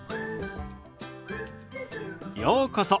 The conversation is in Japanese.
ようこそ。